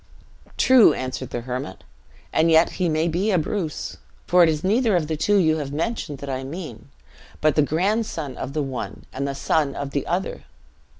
"True," answered the hermit; "and yet he may be a Bruce. For it is neither of the two you have mentioned that I mean; but the grandson of the one, and the son of the other.